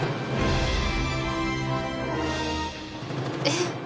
えっ。